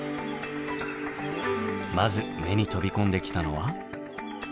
まず目に飛び込んできたのは。